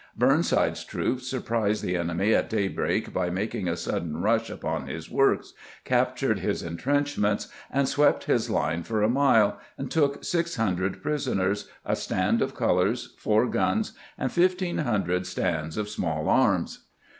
Burnside's troops sur prised the enemy at daybreak by making a sudden rush upon his works, captured his intrenchments, swept his line for a mile, and took 600 prisoners, a stand of colors, 4 guns, and 1500 stands of small arms.